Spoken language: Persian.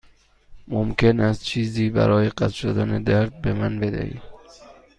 ممکن است چیزی برای قطع شدن درد به من بدهید؟